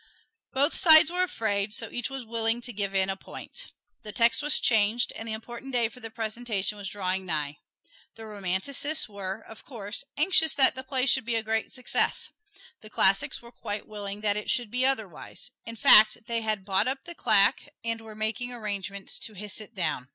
Both sides were afraid, so each was willing to give in a point. The text was changed, and the important day for the presentation was drawing nigh. The Romanticists were, of course, anxious that the play should be a great success; the Classics were quite willing that it should be otherwise; in fact, they had bought up the claque and were making arrangements to hiss it down.